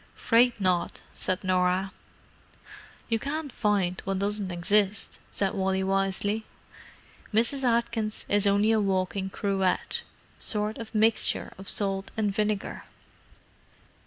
"'Fraid not," said Norah. "You can't find what doesn't exist," said Wally wisely. "Mrs. Atkins is only a walking cruet—sort of mixture of salt and vinegar."